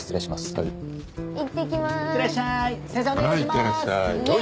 はいいってらっしゃい。